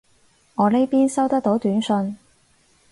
我呢邊收得到短信